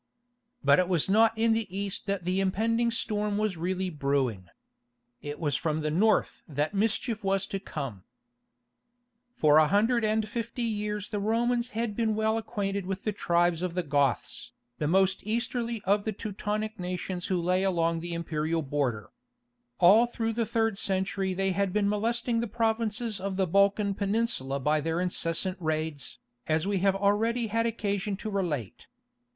But it was not in the east that the impending storm was really brewing. It was from the north that mischief was to come. Gothic Idols. (From the Column of Arcadius.) For a hundred and fifty years the Romans had been well acquainted with the tribes of the Goths, the most easterly of the Teutonic nations who lay along the imperial border. All through the third century they had been molesting the provinces of the Balkan Peninsula by their incessant raids, as we have already had occasion to relate.